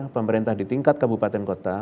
pemerintah di tingkat kabupaten kota